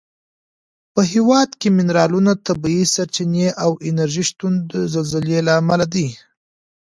په هېواد کې منرالونه، طبیعي سرچینې او انرژي شتون د زلزلو له امله دی.